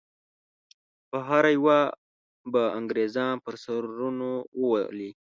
په هره یوه به انګریزان پر سرونو وولي.